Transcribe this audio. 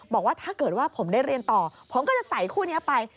บอกว่าถ้าเกิดว่าผมได้เรียนต่อผมก็จะใส่คู่นี้ไป